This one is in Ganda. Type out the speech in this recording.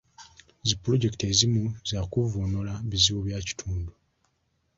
Zi pulojekiti ezimu za kuvvuunula bizibu bya kitundu.